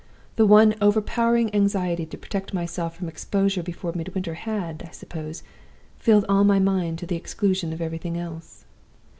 The one overpowering anxiety to protect myself from exposure before Midwinter had (I suppose) filled all my mind, to the exclusion of everything else.